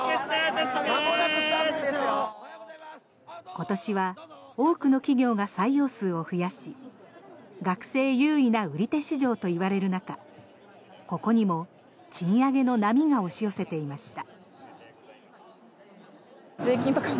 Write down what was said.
今年は多くの企業が採用数を増やし学生優位な売り手市場といわれる中ここにも賃上げの波が押し寄せていました。